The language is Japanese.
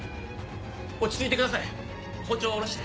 落ち着いてください包丁を下ろして。